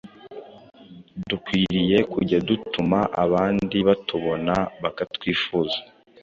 Dukwiriye kujya dutuma abandi batubona bakatwifuza-